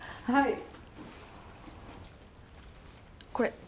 はい。